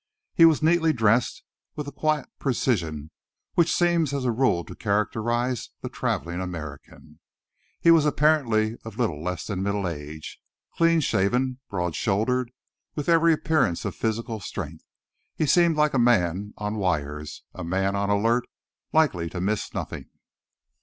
He was neatly dressed, with the quiet precision which seems as a rule to characterise the travelling American. He was apparently of a little less than middle age, clean shaven, broad shouldered, with every appearance of physical strength. He seemed like a man on wires, a man on the alert, likely to miss nothing.